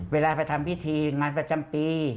เวลาไปทำพิธีงานประจำปี